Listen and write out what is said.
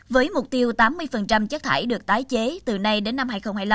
với mục tiêu tám mươi chất thải được tái chế từ nay đến năm hai nghìn hai mươi năm